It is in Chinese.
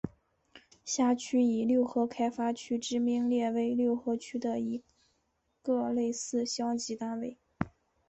辖区以六合开发区之名列为六合区的一个类似乡级单位。